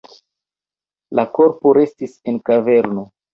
La korpo restis en kaverno.